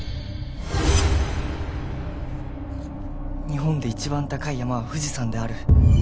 日本で一番高い山は富士山である。